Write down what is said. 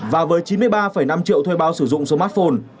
và với chín mươi ba năm triệu thuê bao sử dụng smartphone